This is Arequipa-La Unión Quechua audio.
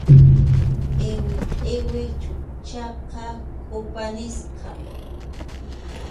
Qʼiwi qʼiwi chukchaqa kʼupa nisqam.